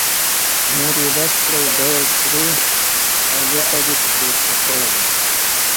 نور يې بس کړئ؛ ډول سری او ګوته دې په کې کړې ده.